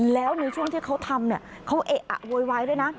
แล้วในช่วงที่เขาทำเนี่ยเขาเอะอะโวยวายด้วยนะ